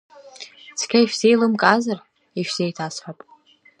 Цқьа ишәзеилымкаазар, ишәзеиҭасҳәап.